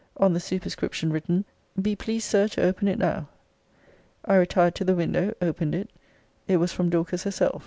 On the superscription written Be pleased, Sir, to open it now. I retired to the window opened it it was from Dorcas herself.